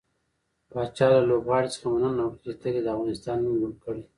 پاچا له لوبغاړو څخه مننه وکړه چې تل يې د افغانستان نوم لوړ کړى.